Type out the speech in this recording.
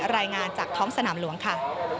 รายงานจากท้องสนามหลวงค่ะ